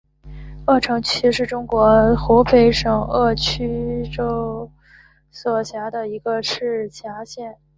鄂城区是中国湖北省鄂州市所辖的一个市辖区。